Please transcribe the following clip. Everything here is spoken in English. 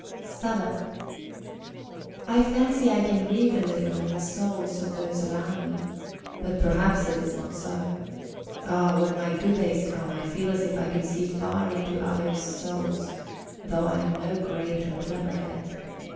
VII I fancy I can read a little in the souls of those about me but perhaps it is not so. Oh, when my good days come, I feel as if I could see far into others' souls, though I am no great or clever head.